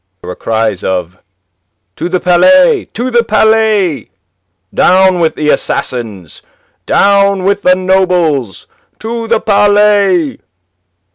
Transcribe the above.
There were cries of "To the Palais! To the Palais! Down with the assassins! Down with the nobles! To the Palais!"